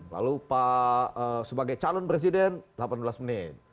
lalu pak sebagai calon presiden delapan belas menit